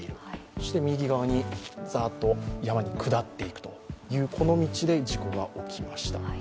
そして右側にざっと山が下っていくというこの道で事故が起きました。